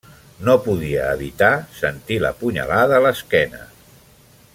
No podia evitar sentir la punyalada a l’esquena.